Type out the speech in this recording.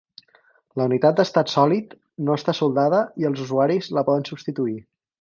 La unitat de estat sòlid no està soldada i els usuaris la poden substituir.